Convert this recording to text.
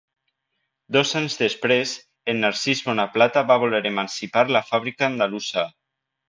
Dos anys després, en Narcís Bonaplata va voler emancipar la fàbrica andalusa.